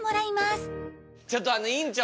ちょっとあの院長。